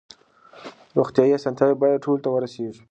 روغتیايي اسانتیاوې باید ټولو ته ورسیږي.